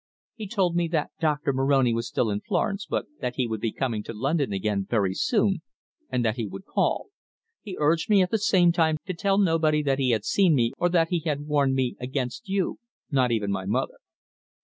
"He told me that Doctor Moroni was still in Florence, but that he would be coming to London again very soon, and that he would call. He urged me at the same time to tell nobody that he had seen me, or that he had warned me against you not even my mother."